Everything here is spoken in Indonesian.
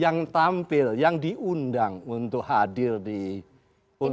yang tampil yang diundang untuk hadir di untuk bisa